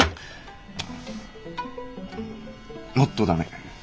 もっと駄目。